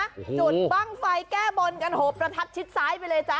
จุดบ้างไฟแก้บนกันโหประทัดชิดซ้ายไปเลยจ๊